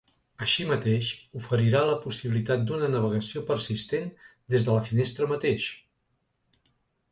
Així mateix, oferirà la possibilitat d’una navegació persistent des de la finestra mateix.